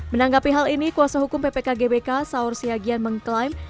menanggapi hal ini kuasa hukum ppkgbk saur siyagian mengklaim